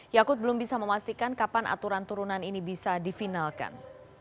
yakut belum bisa memastikan kapan aturan turunan ini bisa difinalkan